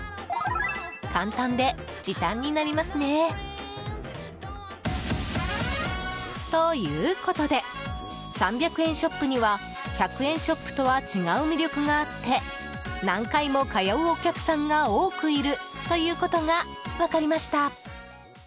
簡単で時短になりますね！ということで３００円ショップには１００円ショップとは違う魅力があって何回も通うお客さんが多くいるということが分かりました。